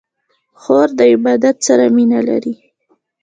خور د عبادت سره مینه لري.